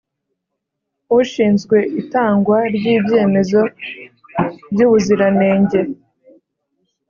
Ushinzwe itangwa ry ibyemezo by ubuziranenge